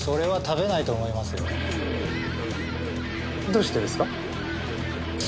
どうしてですか？